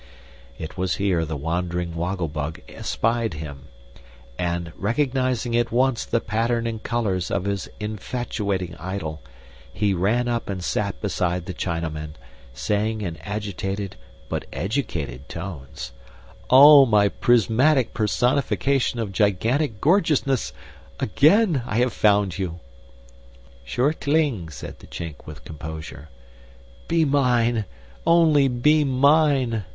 It was here the wandering Woggle Bug espied him; and, recognizing at once the pattern and colors of his infatuating idol, he ran up and sat beside the Chinaman, saying in agitated but educated tones: "Oh my prismatic personification of gigantic gorgeousness! again I have found you!" "Sure tling," said the Chink with composure. "Be mine! Only be mine!"